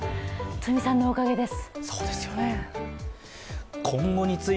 トゥミさんのおかげです！